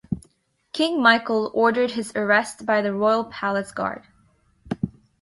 King Michael ordered his arrest by the Royal Palace Guard.